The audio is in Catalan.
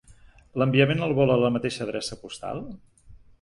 L'enviament el vol a la mateixa adreça postal?